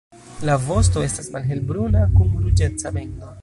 La vosto estas malhelbruna, kun ruĝeca bendo.